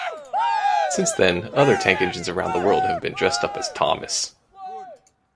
Since then other tank engines around the world have been dressed up as Thomas.